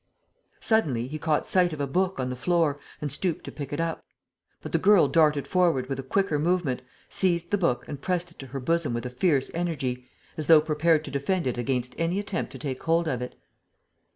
Suddenly, he caught sight of a book on the floor and stooped to pick it up. But the girl darted forward with a quicker movement, seized the book and pressed it to her bosom with a fierce energy, as though prepared to defend it against any attempt to take hold of it.